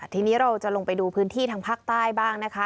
ทีนี้เราจะลงไปดูพื้นที่ทางภาคใต้บ้างนะคะ